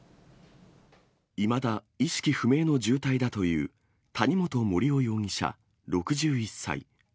いまだ意識不明の重体だという谷本盛雄容疑者６１歳。